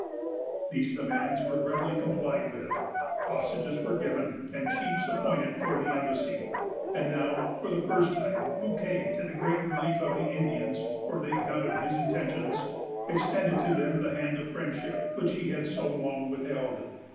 These demands were readily complied with. Hostages were given, and chiefs appointed for the embassy; and now, for the first time, Bouquet, to the great relief of the Indians,——for they doubted his intentions,——extended to them the hand of friendship, which he had so long withheld.